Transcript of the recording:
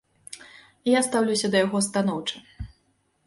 Я стаўлюся да яго станоўча.